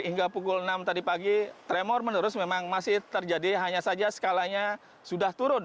hingga pukul enam tadi pagi tremor menerus memang masih terjadi hanya saja skalanya sudah turun